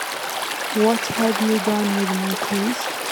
What have you done with my keys?